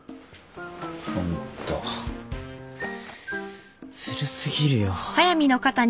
ホントずる過ぎるよ。